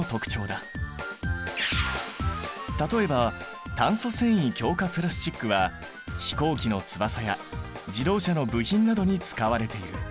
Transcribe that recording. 例えば炭素繊維強化プラスチックは飛行機の翼や自動車の部品などに使われている。